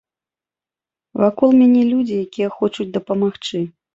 Вакол мяне людзі, якія хочуць дапамагчы.